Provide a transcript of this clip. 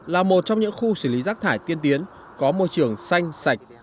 là một trong những khu xử lý rác thải tiên tiến có môi trường xanh sạch